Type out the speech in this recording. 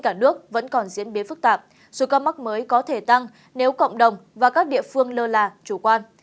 trên cả nước vẫn còn diễn biến phức tạp sự ca mắc mới có thể tăng nếu cộng đồng và các địa phương lơ là chủ quan